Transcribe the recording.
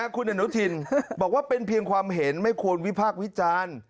คุณอนุทินบอกว่าเป็นเพียงความเห็นไม่ควรวิพากษ์วิจารณ์